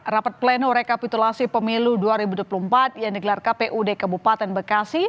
rapat pleno rekapitulasi pemilu dua ribu dua puluh empat yang digelar kpud kabupaten bekasi